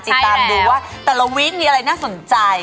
ติดตามดูว่าแต่ละวีมีอะไรน่าสนใจ